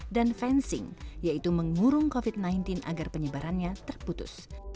dan fencing yaitu mengurung covid sembilan belas agar penyebarannya terputus